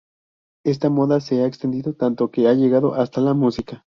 Esta moda se ha extendido tanto que ha llegado hasta la música.